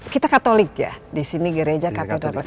kita katolik ya di sini gereja katedral